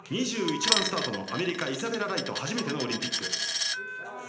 ２１番スタートのアメリカ、イザベラ・ライト初めてのオリンピック。